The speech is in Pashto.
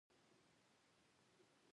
پیاز د وجود انتي اوکسیدانت زیاتوي